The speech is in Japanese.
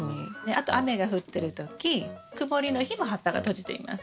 あと雨が降ってる時曇りの日も葉っぱが閉じています。